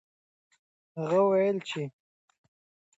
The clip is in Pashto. هغه وویل چې د لومړي ځل ټکان طبيعي دی.